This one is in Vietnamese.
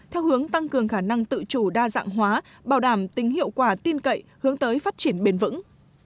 theo hướng tăng cường khả năng tự chủ đa dạng hóa bảo đảm tính hiệu quả tin cậy hướng tới phát triển bền vững